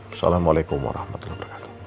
assalamualaikum warahmatullahi wabarakatuh